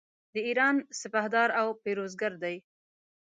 د ایران سپهدار او پیروزګر دی.